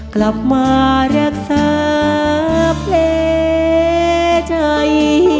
กลับมารักษาแผลใจ